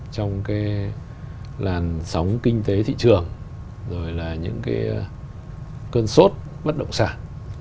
trong cái làn sóng kinh tế thị trường rồi là những cái cơn sốt bất động sản